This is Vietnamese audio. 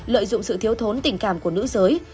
lợi dụng sự thiếu thốn tình cảm của nữ giới